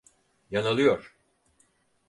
Yanılıyor.